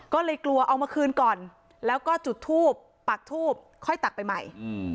ก็เลยกลัวเอามาคืนก่อนแล้วก็จุดทูบปากทูบค่อยตักไปใหม่